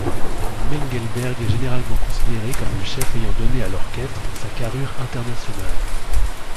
Mengelberg est généralement considéré comme le chef ayant donné à l'orchestre sa carrure internationale.